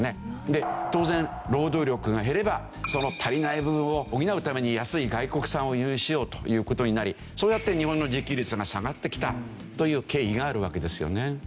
で当然労働力が減ればその足りない部分を補うために安い外国産を輸入しようという事になりそうやって日本の自給率が下がってきたという経緯があるわけですよね。